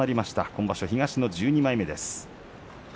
今場所、東の１２枚目です。